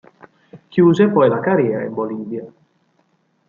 Chiuse poi la carriera in Bolivia.